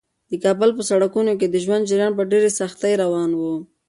د کابل په سړکونو کې د ژوند جریان په ډېرې سختۍ روان و.